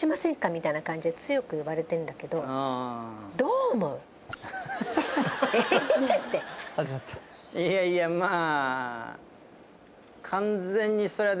みたいな感じで強く言われてんだけどいやいやまあ